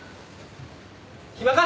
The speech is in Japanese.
暇か？